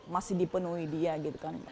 masih dipenuhi dia gitu kan